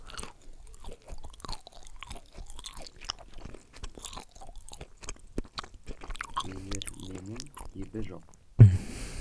Елірменің ебі жоқ.